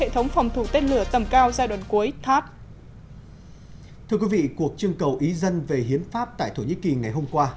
thưa quý vị cuộc trưng cầu ý dân về hiến pháp tại thổ nhĩ kỳ ngày hôm qua